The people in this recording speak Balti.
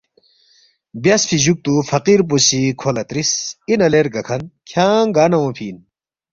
بیاسفی جُوکتُو فقیر پو سی کھو لہ ترِس، ”اِنا لے رگاکھن کھیانگ گار نہ اونگفی اِن ؟“